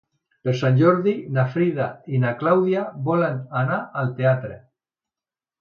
Per Sant Jordi na Frida i na Clàudia volen anar al teatre.